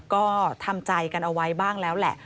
ก็ทำใจกันเอาไว้บ้างแล้วแหละ